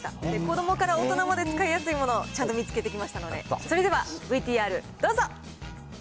子どもから大人まで使いやすいものをちゃんと見つけてきましたので、それではＶＴＲどうぞ。